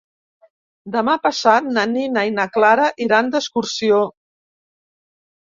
Demà passat na Nina i na Clara iran d'excursió.